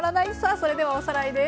それではおさらいです。